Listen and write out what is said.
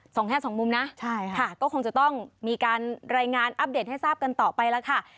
แค่สองมุมนะใช่ค่ะก็คงจะต้องมีการรายงานอัปเดตให้ทราบกันต่อไปแล้วค่ะ